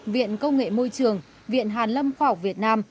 viện công nghệ môi trường viện hàn lâm khoa học việt nam